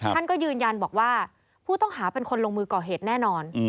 ท่านก็ยืนยันบอกว่าผู้ต้องหาเป็นคนลงมือก่อเหตุแน่นอน